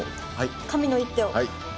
神の一手を！